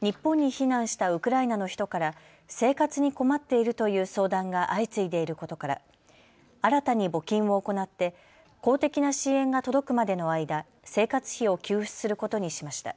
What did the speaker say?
日本に避難したウクライナの人から生活に困っているという相談が相次いでいることから新たに募金を行って公的な支援が届くまでの間、生活費を給付することにしました。